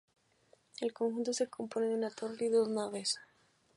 El conjunto se compone de una torre y dos naves.